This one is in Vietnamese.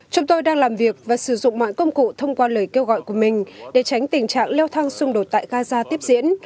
chúng tôi đang làm việc và sử dụng mọi công cụ thông qua lời kêu gọi của mình để tránh tình trạng leo thang xung đột tại gaza tiếp diễn